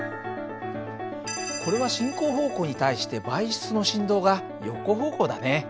これは進行方向に対して媒質の振動が横方向だね。